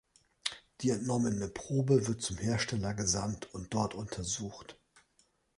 Die entnommene Probe wird zum Hersteller gesandt und dort untersucht.